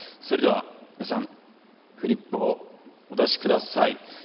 それでは皆さんフリップをお出しください